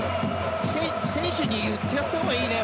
選手に言ってやったほうがいいね。